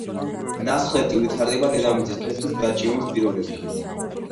ნასხლეტი ვითარდება დედამიწის ქერქის გაჭიმვის პირობებში.